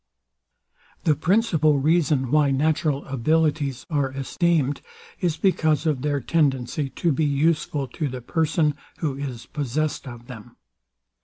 The principal reason why natural abilities are esteemed, is because of their tendency to be useful to the person, who is possessed of them.